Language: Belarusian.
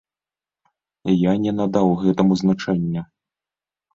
Я не надаў гэтаму значэння.